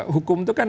hukum itu kan